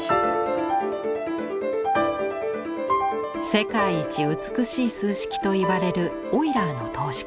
世界一美しい数式といわれる「オイラーの等式」。